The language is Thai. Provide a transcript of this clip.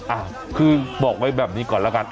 อ่ะคือบอกไว้แบบนี้ก่อนแล้วกัน